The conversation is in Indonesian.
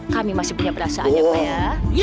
kami masih punya perasaan ya pak ya